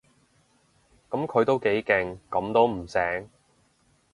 噉佢都幾勁，噉都唔醒